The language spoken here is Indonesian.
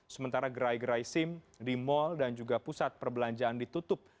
sementara gerai gerai sim di mal dan juga pusat perbelanjaan ditutup